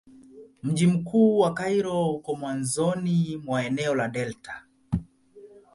Mji mkuu wa Kairo uko mwanzoni mwa eneo la delta.